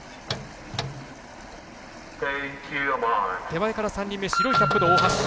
手前から３人目白いキャップの大橋。